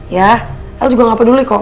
ya aku juga gak peduli kok